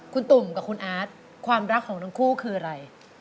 คุณตุ่มกับคุณอาร์ตความรักของทั้งคู่คืออะไร